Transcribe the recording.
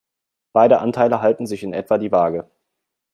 Beide Anteile halten sich in etwa die Waage.